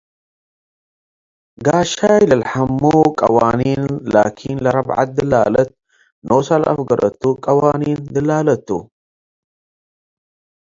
ጋሻይ ለልሐሙ ቀዋኒን ላኪን ለረብዐት ድላለት ኖሰ ለአፍገረቱ ቀዋኒን ድላለት ቱ ።